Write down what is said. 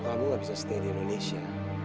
kamu gak bisa stay di indonesia